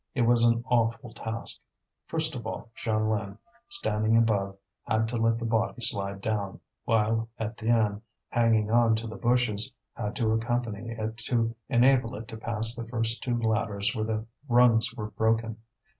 It was an awful task. First of all Jeanlin, standing above, had to let the body slide down, while Étienne, hanging on to the bushes, had to accompany it to enable it to pass the first two ladders where the rungs were broken.